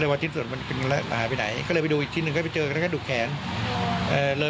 เพราะที่ยังมีกระโหลกศีรษะด้วยซึ่งมันเหมือนกับกระโหลกศีรษะด้วย